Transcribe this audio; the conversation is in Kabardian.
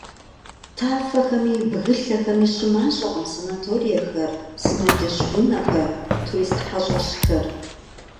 Tafexemi bgılhexemi şımaş'ekhım sanatorexer, zışağepsexu vunexer, turist xeş'ap'exer.